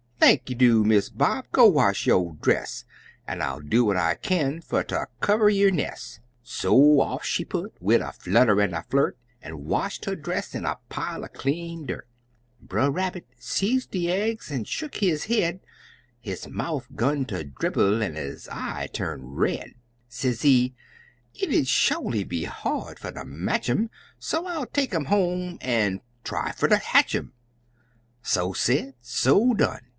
"Thanky do, Miss Bob! Go wash yo' dress, An' I'll do what I kin fer ter kivver yo' nes'!" So off she put, wid a flutter an' a flirt, An' washed her dress in a pile er clean dirt; Brer Rabbit see de eggs, an' shuck his head; His mouf 'gun ter dribble, an' his eye turn red; Sezee, "It'd sholy be hard fer ter match um, So I'll des take um home an' try fer ter hatch um!" So said, so done!